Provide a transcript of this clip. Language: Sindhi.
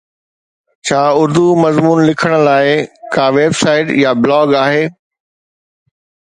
ڇا اردو مضمون لکڻ لاءِ ڪا ويب سائيٽ يا بلاگ آهي؟